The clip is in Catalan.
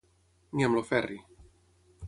Ni amb el Ferri.